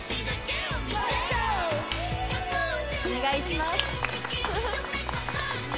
お願いします